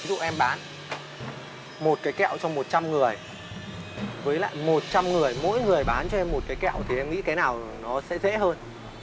ví dụ em bán một cái kẹo trong một trăm linh người với lại một trăm linh người mỗi người bán trên một cái kẹo thì em nghĩ cái nào nó sẽ dễ hơn